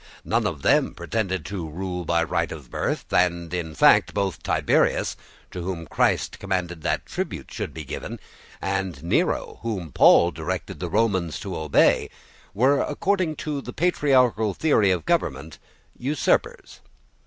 None of them pretended to rule by right of birth; and, in fact, both Tiberius, to whom Christ commanded that tribute should be given, and Nero, whom Paul directed the Romans to obey, were, according to the patriarchal theory of government, usurpers.